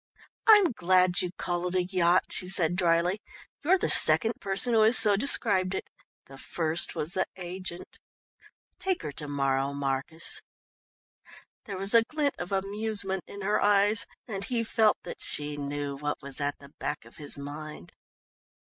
"I'm glad you call it a 'yacht,'" she said dryly. "You're the second person who has so described it. The first was the agent. Take her to morrow, Marcus." There was a glint of amusement in her eyes, and he felt that she knew what was at the back of his mind.